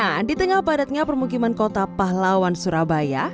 nah di tengah padatnya permukiman kota pahlawan surabaya